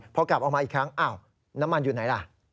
พอกลับออกมาอีกครั้งอ้าวน้ำมันอยู่ไหนล่ะ